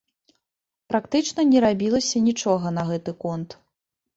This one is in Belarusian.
Практычна не рабілася нічога на гэты конт.